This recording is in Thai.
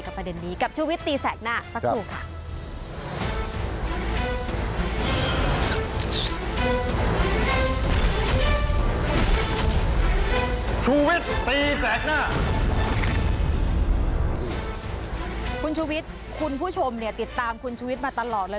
คุณชุวิตคุณผู้ชมเนี่ยติดตามคุณชุวิตมาตลอดเลย